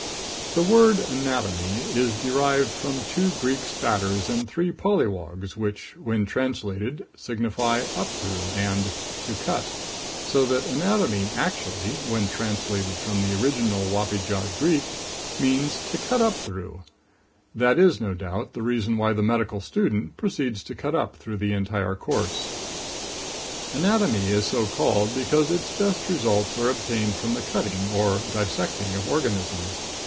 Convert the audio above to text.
The word anatomy is derived from two Greek spatters and three polywogs, which, when translated, signify "up through" and "to cut," so that anatomy actually, when translated from the original wappy jawed Greek, means to cut up through. That is no doubt the reason why the medical student proceeds to cut up through the entire course. [Illustration: STUDYING ANATOMY.] Anatomy is so called because its best results are obtained from the cutting or dissecting of organism.